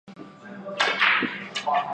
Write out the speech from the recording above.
当然有时候沉没成本只是价格的一部分。